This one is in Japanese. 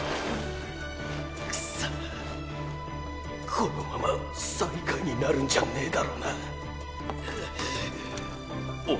このまま最下位になるんじゃねェだろうなううっ。